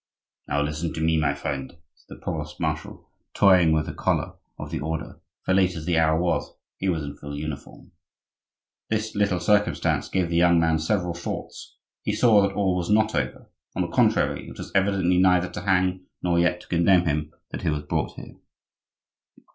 "Now listen to me, my friend," said the provost marshal, toying with the collar of the Order; for, late as the hour was, he was in full uniform. This little circumstance gave the young man several thoughts; he saw that all was not over; on the contrary, it was evidently neither to hang nor yet to condemn him that he was brought here.